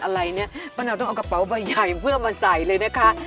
อะไรเนี่ยป้านาวต้องเอากระเป๋าใบใหญ่เพื่อมาใส่เลยนะคะ